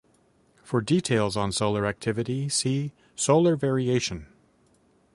For details on solar activity see: solar variation.